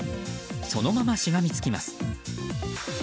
そのまましがみつきます。